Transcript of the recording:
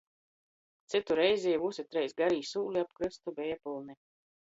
Cytu reizi i vysi treis garī sūli ap krystu beja pylni.